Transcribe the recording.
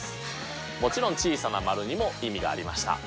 もちろん小さなマルにも意味がありました。